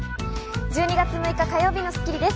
１２月６日、火曜日の『スッキリ』です。